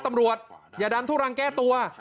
ตำรวจอย่าดันทุรังแก้ตัว